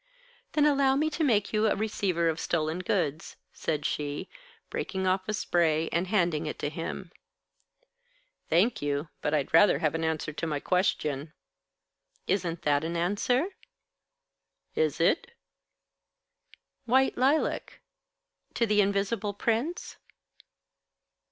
"Then allow me to make you a receiver of stolen goods," said she, breaking off a spray, and handing it to him. "Thank you. But I'd rather have an answer to my question." "Isn't that an answer?" "Is it?" "White lilac to the Invisible Prince?"